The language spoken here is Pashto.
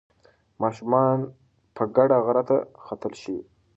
ماشومان په ګډه غره ته ختل خوښوي.